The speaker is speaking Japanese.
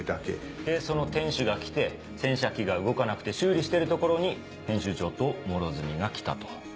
でその店主が来て洗車機が動かなくて修理してるところに編集長と両角が来たと。